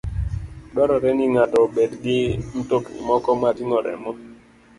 Dwarore ni ng'ato obed gi mtokni moko mag ting'o remo